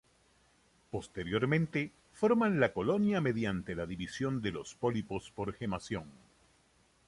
Posteriormente, forman la colonia mediante la división de los pólipos por gemación.